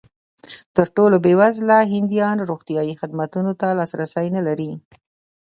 تر ټولو بېوزله هندیان روغتیايي خدمتونو ته لاسرسی نه لري.